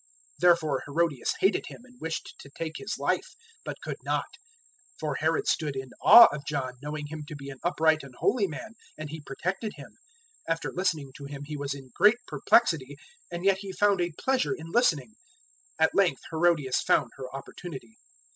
006:019 Therefore Herodias hated him and wished to take his life, but could not; 006:020 for Herod stood in awe of John, knowing him to be an upright and holy man, and he protected him. After listening to him he was in great perplexity, and yet he found a pleasure in listening. 006:021 At length Herodias found her opportunity.